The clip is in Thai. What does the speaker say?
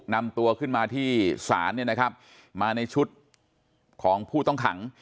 นำตัวขึ้นมาที่ศาลเนี่ยนะครับมาในชุดของผู้ต้องขัง